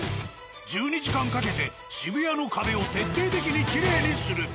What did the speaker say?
１２時間かけて渋谷の壁を徹底的に綺麗にする。